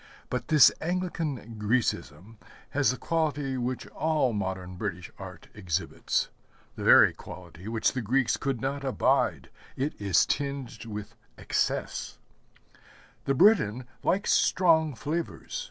But this Anglican Grecism has the quality which all modern British art exhibits, the very quality which the Greeks could not abide, it is tinged with excess. The Briton likes strong flavors.